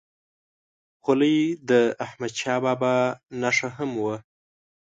خولۍ د احمدشاه بابا نښه هم وه.